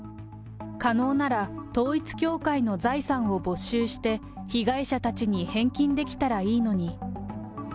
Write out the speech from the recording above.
可能なら統一教会の財産を没収して、被害者たちに返金できたらいいのに。